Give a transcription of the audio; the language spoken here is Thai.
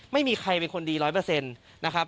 ไม่มีใครเป็นคนดี๑๐๐นะครับ